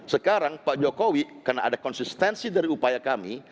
sekarang pak jokowi karena ada konsistensi dari upaya kami